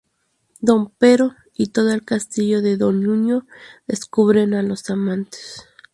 Don Pero y todo el castillo de Don Nuño descubren a los amantes.